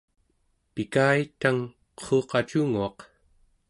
pika-i tang, qerruqacunguaq!